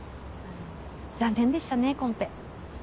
残念でしたねコンペ。